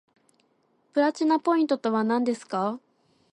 プラチナポイントとはなんですか